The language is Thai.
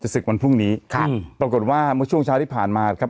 ศึกวันพรุ่งนี้ค่ะปรากฏว่าเมื่อช่วงเช้าที่ผ่านมาครับ